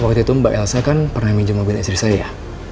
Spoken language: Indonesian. waktu itu mbak elsa kan pernah minjem mobil istri saya